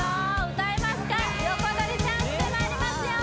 歌えますか横取りチャンスでもありますよ